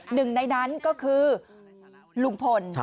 หนึ่งในนั้นก็คือลุงพล